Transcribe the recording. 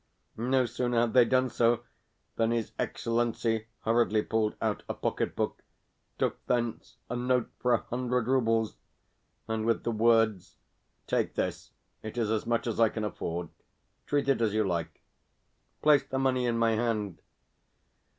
No sooner had they done so than his Excellency hurriedly pulled out a pocket book, took thence a note for a hundred roubles, and, with the words, "Take this. It is as much as I can afford. Treat it as you like," placed the money in my hand!